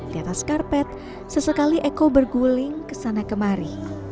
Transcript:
di atas karpet sesekali eko berguling kesana kemari